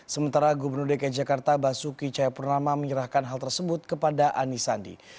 sementara gubernur dki jakarta basuki cahayapurnama menyerahkan hal tersebut kepada anies sandi